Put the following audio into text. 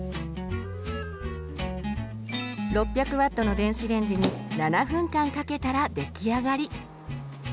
６００Ｗの電子レンジに７分間かけたら出来上がり。